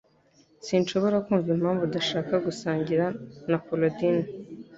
Sinshobora kumva impamvu udashaka gusangira na Korodina